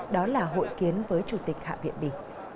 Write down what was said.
đó là hội kiến với chủ tịch hạ viện bỉ